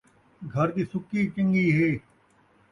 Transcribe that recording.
گھر دی سُکی چن٘ڳی ہے